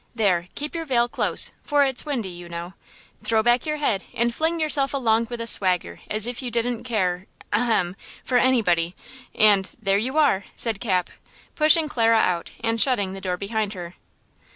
There! keep your veil close, for it's windy, you know; throw back your head and fling yourself along with a swagger, as if you didn't care, ahem! for anybody, and–there you are!" said Cap, pushing Clara out and shutting the door behind her.